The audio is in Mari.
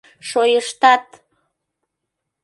Шойыштат!..